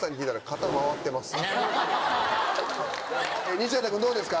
西畑君どうですか？